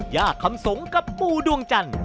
ยากคำสงครับปูดวงจันทร์